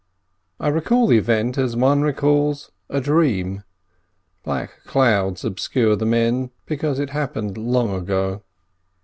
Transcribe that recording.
I recall the event as one recalls a dream. Black clouds obscure the men, because it happened long ago.